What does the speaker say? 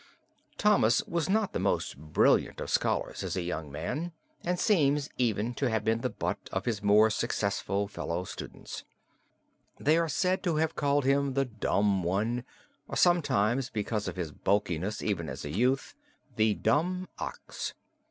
Thomas was not the most brilliant of scholars as a young man and seems even to have been the butt of his more successful fellow students. They are said to have called him the dumb one, or sometimes because of his bulkiness even as a youth, the dumb ox.